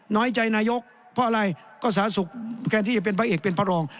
น้อยใจนายกเพราะอะไรก็สาธารณสุขแทนที่จะเป็นพระเอกเป็นพระรอง